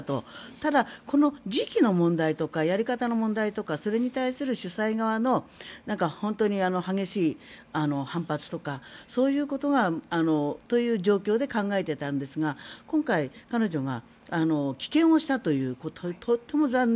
ただ、この時期の問題とかやり方の問題とかそれに対する主催側の本当に激しい反発とかそういうことがという状況で考えていたんですが今回、彼女が棄権をしたというとっても残念。